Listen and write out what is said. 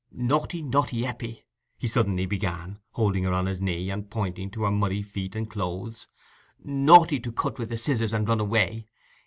"Naughty, naughty Eppie," he suddenly began, holding her on his knee, and pointing to her muddy feet and clothes—"naughty to cut with the scissors and run away.